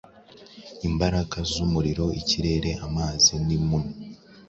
Imbaraga zumuriro, ikirere, amazi, nii muni,